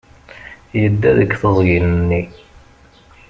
Yedda deg teẓgi-nni.